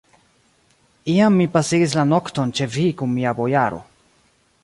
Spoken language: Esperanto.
Iam mi pasigis la nokton ĉe vi kun mia bojaro.